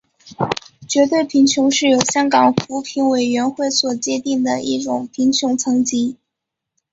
绝对贫穷是由香港扶贫委员会所界定的一种贫穷层级。